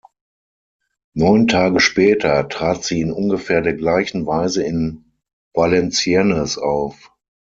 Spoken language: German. Neun Tage später trat sie in ungefähr der gleichen Weise in Valenciennes auf.